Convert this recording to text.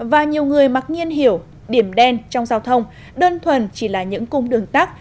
và nhiều người mặc nhiên hiểu điểm đen trong giao thông đơn thuần chỉ là những cung đường tắc